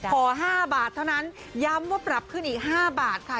ขอ๕บาทเท่านั้นย้ำว่าปรับขึ้นอีก๕บาทค่ะ